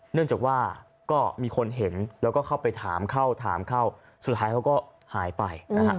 เนื่องจากว่าก็มีคนเห็นแล้วก็เข้าไปถามเข้าถามเข้าสุดท้ายเขาก็หายไปนะฮะ